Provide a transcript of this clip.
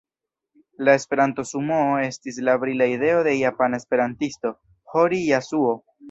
La Esperanto-sumoo estis la brila ideo de japana esperantisto, Hori Jasuo.